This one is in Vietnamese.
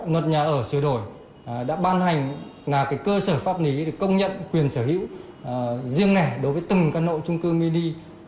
luật nhà ở sửa đổi đã ban hành là cơ sở pháp lý để công nhận quyền sở hữu riêng lẻ đối với từng căn hộ trung cư mini